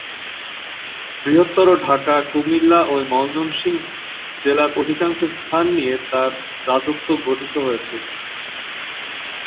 বৃহত্তর ঢাকা, কুমিল্লা ও ময়মনসিংহ জেলার অধিকাংশ স্থান নিয়ে তার রাজত্ব গঠিত হয়েছিল।